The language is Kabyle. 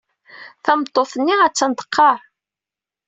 Tameṭṭut-nni attan teqqar.